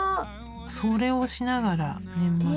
それをしながら年末の。